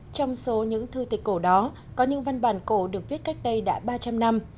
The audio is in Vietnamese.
trong số những thư tịch cổ đó có những văn bản cổ được viết cách đây đã ba trăm linh năm